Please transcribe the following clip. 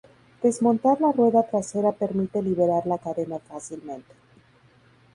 Desmontar la rueda trasera permite liberar la cadena fácilmente.